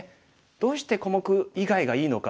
どうして小目以外がいいのか。